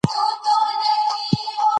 جلګه د افغانستان یوه طبیعي ځانګړتیا ده.